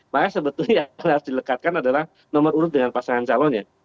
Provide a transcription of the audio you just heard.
maka sebetulnya yang harus dilekatkan adalah nomor urut dengan pasangan calonnya